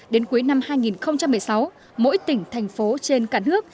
đến cuối năm hai nghìn một mươi sáu mỗi tỉnh thành phố trên cả nước